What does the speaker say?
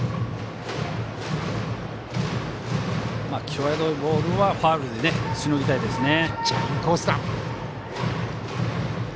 際どいボールはファウルでしのぎたいですね。